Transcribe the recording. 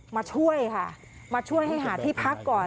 มาช่วยค่ะมาช่วยให้หาที่พักก่อน